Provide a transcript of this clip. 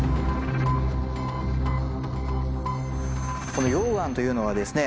この溶岩というのはですね